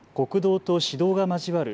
現場は国道と市道が交わる